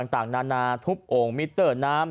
ต่างนานาทุบโอ่งมิเตอร์น้ำ